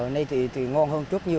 nơi thì ngon hơn chút nhiều